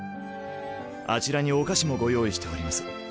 あちらにお菓子もご用意しております。